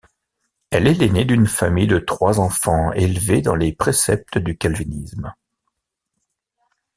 Elle est l'aînée d'une famille de trois enfants élevés dans les préceptes du calvinisme.